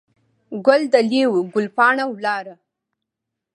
ګل دلې وو، ګل پاڼه ولاړه.